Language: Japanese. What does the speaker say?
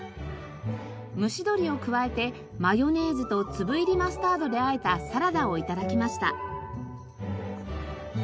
蒸し鶏を加えてマヨネーズと粒入りマスタードであえたサラダを頂きました。